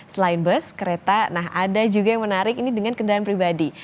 selain bus kereta nah ada juga yang menarik ini dengan kendaraan pribadi